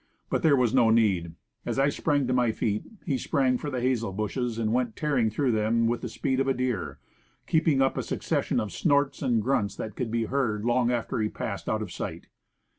But there was no need. As I sprang to my feet he sprang for the hazel bushes, and went tearing through them with the speed of a deer, keeping up a succession of snorts and giants that could be heard Meeting a Bear. I23 long after he had passed out of sight.